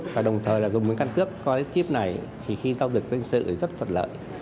và đồng thời là dùng cái căn cước coi cái chip này thì khi giao dịch dân sự rất thuận lợi